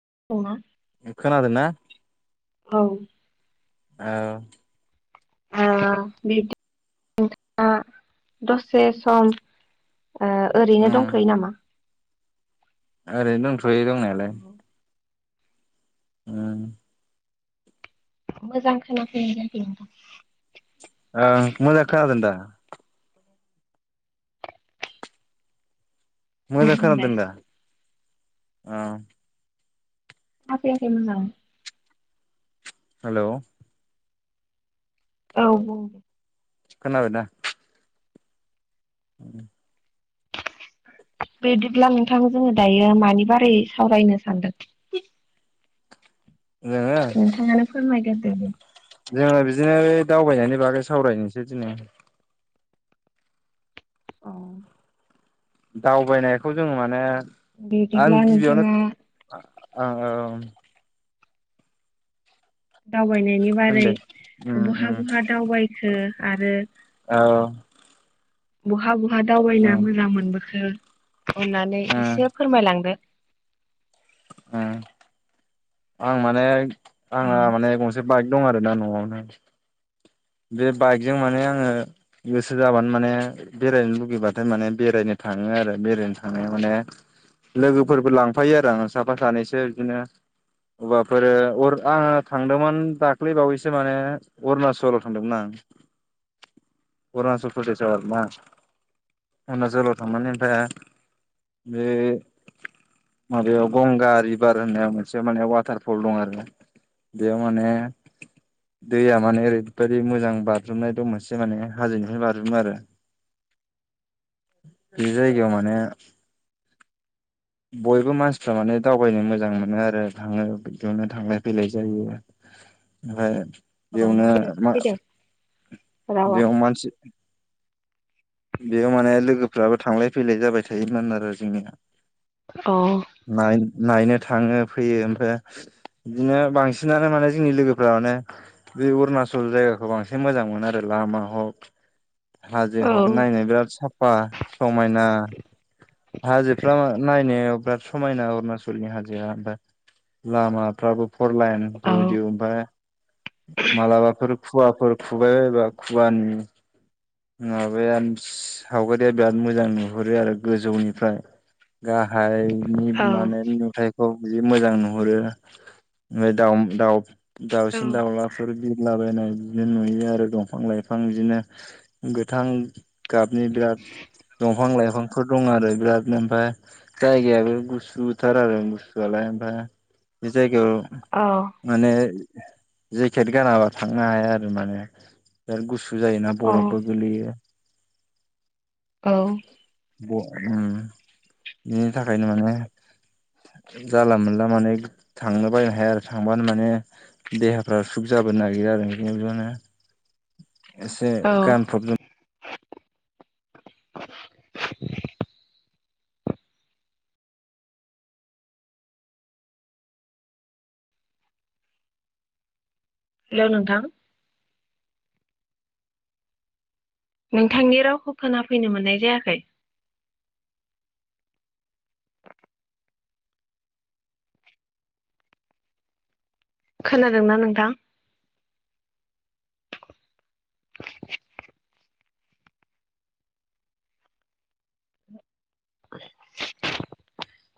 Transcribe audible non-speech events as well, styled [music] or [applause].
[unintelligible] ए खोनादो ना? औ। ओह ओ बिदि नोंथाङा दसे सम ओ ओरैनो उम दंथयो नामा? ओरैनो दंथ'यो दंनायालाय। ओं। मोजां खोनाफैनाय जायाखै नोंथां? ओं मोजां खानादों दा? औ मोजां खोनादों बुंलाय दा ओ। खोना फैयाखै मोजां। हेल' औ बुं। खोनाबायना? उम। [unintelligible] बेदिब्ला नोंथां जोङो दायो मानि बारै सावरायनो सानदों? जोङो नोंथाङानो फोरमायग्रोदो दे। जोङो बिदिनो दावबायनायनि बागै सावरायनोसै दिनै। औ दावबायनायखौ जों माने आं बिदिब्ला गिबियावनो नोंथाङा औ औ। दावबायनायनि होन बारै दे उम उम बहा बहा दावबायखो आरो औ बहा बहा दावबायना उम मोजां मोनबोखो अननानै उम एसे फोरमायलांदो आं माने औ आंना माने गंसे बाइक दं आरोना न'आवनो बे बाइकजों माने आङो गोसो जाबानो माने बेरायनो लुुबैबाथाय माने बेरायनो थाङो आरो बेरायनो थांनायाव माने लोगोफोरबो लांफायो आरो आं साफा सानैसो बिदिनो अबाफोरो अर आङो थांदोंमोन दाख्लै बावैसो माने अरुणाचल थांदोंना आं अरूणाचल प्रदेसाव आरो ना अरुणाचलाव थांनानै ओमफ्राय बे माबायाव गंगा रिभार होननाय मोनसे माने वाटारफल दं आरोना बेयाव माने दैया माने ओरै बेबायदि मोजां बाज्रुमनाय दं मोनसे माने हाजोनिफ्राय बाज्रुमो आरो बे जायगायाव माने बयबो मानसिफ्रा माने दावबायनो मोजां मोनो आरो थाङो बिदियावनो थांलाय फैलाय जायो ओमफ्राय औ बेयावनो माबोरै म फैदों रावा? बेयाव मानसि बेयाव माने लोगोफ्राबो थांलाय फैलाय जाबाय थायोमोन आरो जोंनिया औ नायनो थाङो फैयो ओमफ्राय बिदिनो बांसिनानो माने जोंनि लोगोफ्रा माने बे अरुणाचल जायगाखौ बांसिन मोजां मोनो आरो लामा हक हाजो औ हक नायनो बिराद साफा समायना हाजोफ्रा नायनायाव बिराद समायना अरुणाचलनि हाजोआ ओमफ्राय लामाफ्राबो फर लाइ औ दिउदिउ ओमफ्राय मालाबाफोर खुवाफोर खुबाय बायबा खुवानि माबाया सावगारिया बिराद मोजां नुहुरो आरो गोजौनिफ्राय गाहायनि माने नुथाय खौ जि मोजां नुहुरो ओमफ्राय दाउ दाउ औ दाउसिन दाउलाफोर बि लाबायनाय बिदिनो नुयो आरो दंफां लाइफां बिदिनो गोथां गाबनि बिराद दंफां लाइफांफोर दं आरो बिरादनो ओमफ्राय जायगायाबो गुसुथार आरो गुसुआलाय [unintelligible] बे जायगायाव औ माने जेकेट गानाबा थांनो हाया आरो माने बिराद गुसु जायोना औ बरफबो गोगलैयो औ ब उम बिनि थाखायनो माने जाला मोनला माने थांनो बायनो हाया आरो थांबानो माने देहाफ्रा सुख जा बो नागिरो आरो [unintelligible] [unintelligible] एसे औ गानफब ज [unintelligible] हेल' नोंथां नोंथांनि रावखौ खोनाफैनो मोननाय जायाखै खोनादोंना नोंथां [unintelligible]